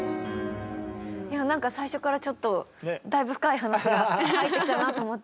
なんか最初からちょっとだいぶ深い話が入ってきたなと思って。